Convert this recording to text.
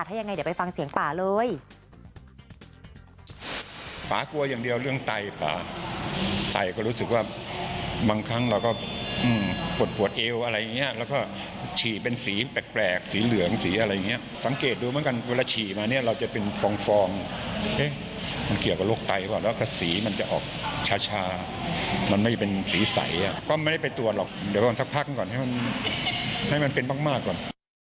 ถ้ายังไงเดี๋ยวไปฟังเสียงป่าเลย